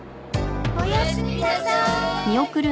おやすみなさい。